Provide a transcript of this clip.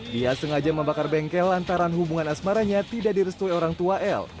dia sengaja membakar bengkel antara hubungan asmaranya tidak direstui orang tua l